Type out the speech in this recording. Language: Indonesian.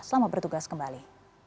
selamat bertugas kembali